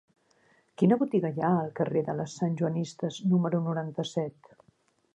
Quina botiga hi ha al carrer de les Santjoanistes número noranta-set?